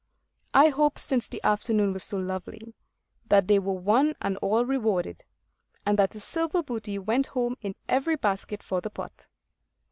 I hope, since the afternoon was so lovely, that they were one and all rewarded; and that a silver booty went home in every basket for the pot.